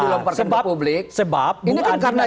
di dalam pertempatan publik terus terang sebab sebab